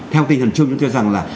theo tin thần chung chúng ta rằng là